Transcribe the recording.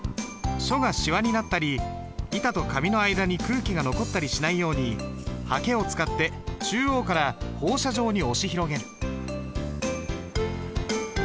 書がしわになったり板と紙の間に空気が残ったりしないようにはけを使って中央から放射状に押し広げる。